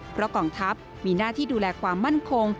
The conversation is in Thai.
เพราะกองทัพมีหน้าที่ดูแลความมั่นคง